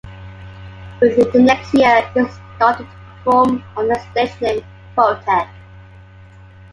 Within the next year he started to perform under the stage name Photek.